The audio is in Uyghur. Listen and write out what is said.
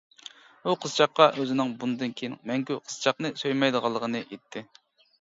ئۇ قىزچاققا ئۆزىنىڭ بۇندىن كېيىن مەڭگۈ قىزچاقنى سۆيمەيدىغانلىقىنى ئېيتتى.